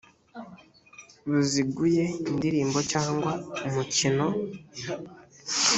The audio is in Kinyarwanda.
buziguye indirimbo cyangwa umukino